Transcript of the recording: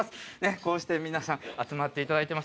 こうして皆さん、集まっていただいてます。